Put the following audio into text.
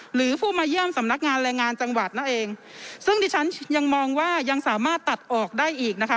หรือผู้มาเยี่ยมสำนักงานแรงงานจังหวัดนั่นเองซึ่งที่ฉันยังมองว่ายังสามารถตัดออกได้อีกนะคะ